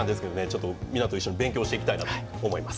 ちょっとみんなと一緒に勉強していきたいなと思います。